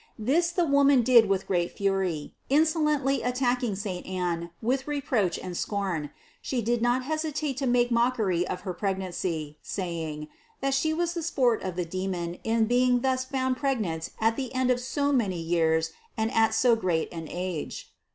This the woman did with great fury, insolently attacking saint Anne with reproach and scorn; she did not hesitate to make mock ery of her pregnancy, saying, that she was the sport of the demon in being thus found pregnant at the end of so many years and at so great an age.